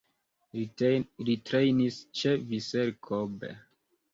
Li trejnis ĉe Vissel Kobe.